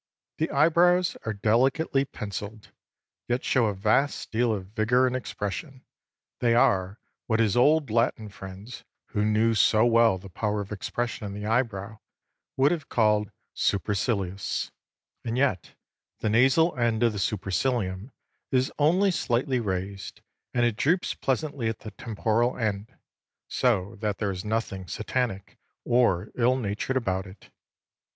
The eyebrows are delicately 'pencilled,' yet show a vast deal of vigour and expression; they are what his old Latin friends, who knew so well the power of expression in the eyebrow, would have called 'supercilious,' and yet the nasal end of the supercilium is only slightly raised, and it droops pleasantly at the temporal end, so that there is nothing Satanic or ill natured about it.